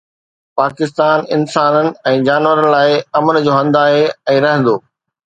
پاڪستان انسانن ۽ جانورن لاءِ امن جو هنڌ آهي ۽ رهندو